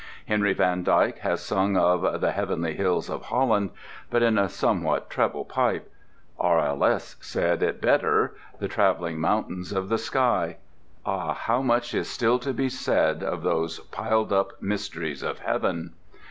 Henry Van Dyke has sung of "The heavenly hills of Holland," but in a somewhat treble pipe; R.L.S. said it better—"The travelling mountains of the sky." Ah, how much is still to be said of those piled up mysteries of heaven!